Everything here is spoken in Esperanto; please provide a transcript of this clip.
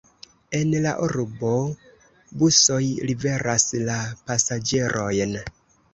En la urbo busoj liveras la pasaĝerojn.